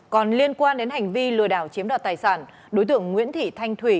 còn liên quan đến hành vi lừa đảo chiếm đoạt tài sản đối tượng nguyễn thị thanh thủy